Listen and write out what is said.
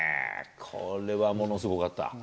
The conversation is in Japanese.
これはものすごかった。